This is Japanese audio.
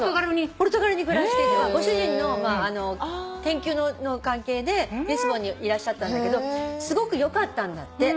ポルトガルに暮らしていてご主人の研究の関係でリスボンにいらっしゃったんだけどすごくよかったんだって。